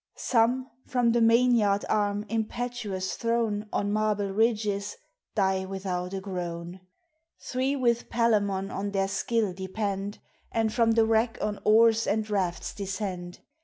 Some, from the main yard arm impetuous thrown On marble ridges, die without a groan. Three with Palemon on their skill depend, And from the wreck on oars and rafts descend.